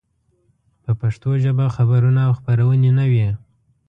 په پښتو ژبه خبرونه او خپرونې نه وې.